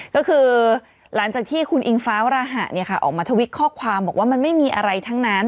ก็คือหลังจากที่คุณอิงฟ้าวราหะออกมาทวิตข้อความบอกว่ามันไม่มีอะไรทั้งนั้น